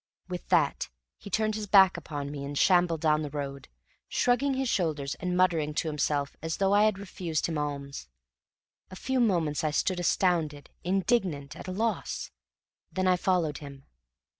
With that he turned his back upon me, and shambled down the road, shrugging his shoulders and muttering to himself as though I had refused him alms. A few moments I stood astounded, indignant, at a loss; then I followed him.